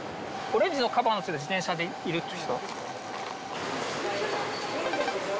オレンジのカバーのついた自転車でいるって。